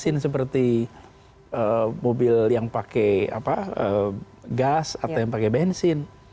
mesin seperti mobil yang pakai gas atau yang pakai bensin